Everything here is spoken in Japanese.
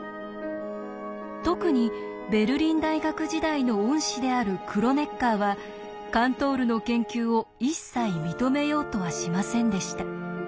特にベルリン大学時代の恩師であるクロネッカーはカントールの研究を一切認めようとはしませんでした。